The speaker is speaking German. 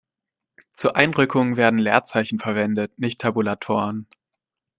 Zur Einrückung werden Leerzeichen verwendet, nicht Tabulatoren.